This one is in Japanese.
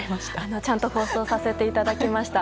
ちゃんと放送させていただきました。